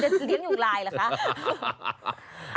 คุณจะเลี้ยงอยู่รายเหรอคะ